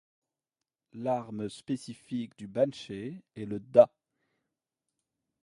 L'arme spécifique du banshay est le dha.